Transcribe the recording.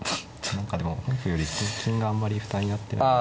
何かでも本譜より金があんまり負担になってないんで。